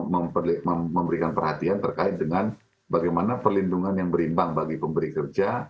memberikan perhatian terkait dengan bagaimana perlindungan yang berimbang bagi pemberi kerja